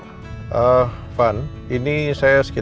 sama jingadee ini